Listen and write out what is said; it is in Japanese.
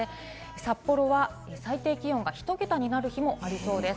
札幌は最低気温がひと桁になる日もありそうです。